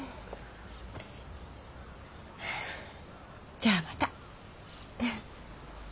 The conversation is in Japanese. じゃあまた。